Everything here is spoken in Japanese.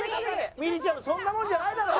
みりちゃむそんなもんじゃないだろ。